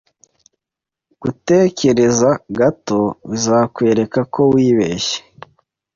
Gutekereza gato bizakwereka ko wibeshye.